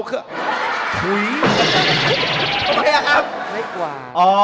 ไม้กวาด